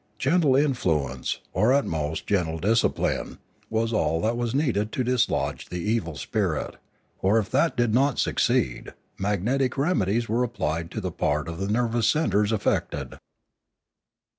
Gentle influence, or at most gentle discipline, was all that was needed to dislodge the evil spirit, or if that did not succeed, magnetic remedies were applied to the part of the nervous centres affected.